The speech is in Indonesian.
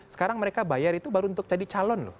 sekarang mereka bayar itu baru untuk jadi calon loh